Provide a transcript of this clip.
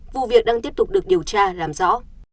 vụ việc đang tiếp tục được điều tra làm rõ